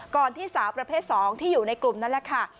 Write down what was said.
ที่สาวประเภท๒ที่อยู่ในกลุ่มนั้นแหละค่ะ